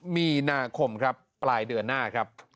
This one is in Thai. มีนาคมครับปลายเดือนหน้าครับ